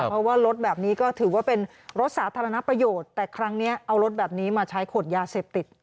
เพราะว่ารถแบบนี้ก็ถือว่าเป็นรถสาธารณประโยชน์แต่ครั้งนี้เอารถแบบนี้มาใช้ขวดยาเสพติด